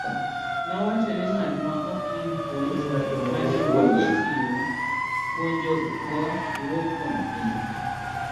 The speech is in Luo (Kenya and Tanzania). Nowacho ni ng'at maok winj puonj ma jomoko chiwo, puonjgo wuok kuom piny.